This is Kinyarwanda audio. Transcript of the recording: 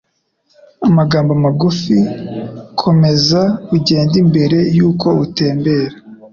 amagambo magufi komeza ugendembere yuko utembera